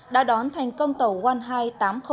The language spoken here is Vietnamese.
đã đón thành công tàu wanhai tám trăm linh năm